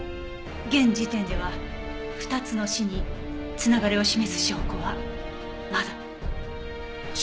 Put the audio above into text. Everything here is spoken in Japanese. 現時点では２つの死に繋がりを示す証拠はまだ。